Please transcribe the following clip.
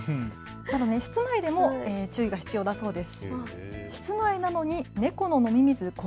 室内でも注意が必要だそうです。